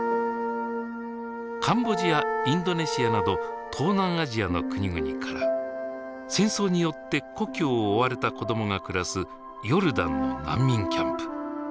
カンボジアインドネシアなど東南アジアの国々から戦争によって故郷を追われた子どもが暮らすヨルダンの難民キャンプ。